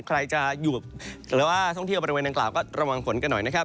ใครจะอยู่หรือว่าท่องเที่ยวบริเวณดังกล่าวก็ระวังฝนกันหน่อยนะครับ